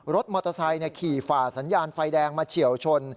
รถมอเตอร์ไซค์ขี่ฝ่าสัญญาณไฟแดงมาเฉียวชน